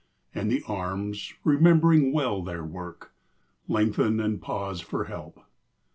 " and the arms, remembering well their work, Lengthen and pause for help.